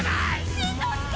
しんのすけ！